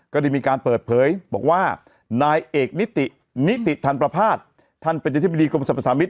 ก็ได้มีการเปิดเผยบอกว่านายเอกนิตินิติธรรมประพาทท่านเป็นอธิบดีกรมสรรพสามิตร